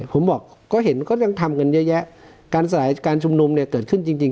ผมบอกก็เห็นก็ยังทำกันเยอะแยะการสลายการชุมนุมเนี่ยเกิดขึ้นจริงจริง